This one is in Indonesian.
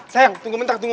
lo sayang tunggu mentak dulu